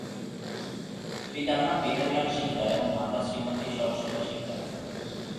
পিতার নাম বিহারী লাল শিকদার এবং মাতা শ্রীমতি সরস্বতী শিকদার।